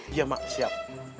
iya mak siap